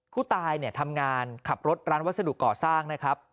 ผู้ตายเนี่ยทำงานขับรถร้านวัสดุก่อสร้างนะครับ